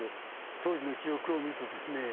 当時の記録を見るとですね